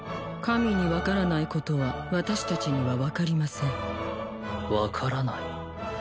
神に分からないことは私達には分かりません分からない？